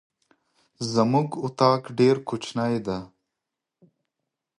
زمونږ اطاق ډير کوچنی ده.